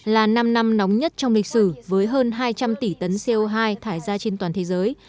là năm năm nóng nhất trong lịch sử với hơn hai trăm linh tỷ tấn co hai thải ra trên toàn thế giới